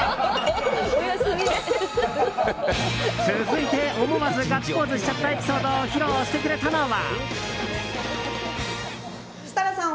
続いて思わずガッツポーズしちゃったエピソードを披露してくれたのは。